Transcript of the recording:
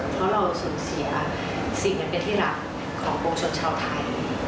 เพราะเราทนเสียสิ่งนี้เป็นที่หลักของบรมชนชาวไทย